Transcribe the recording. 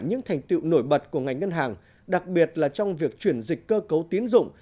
những thành tiệu nổi bật của ngành ngân hàng đặc biệt là trong việc chuyển dịch cơ cấu tiến dụng